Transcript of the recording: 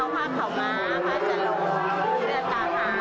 ผมไปฟังข่าวม้าแต่เราก็ติดสุดแล้วตามมา